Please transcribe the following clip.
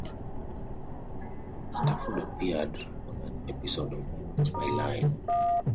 Stafford appeared on an episode of What's My Line?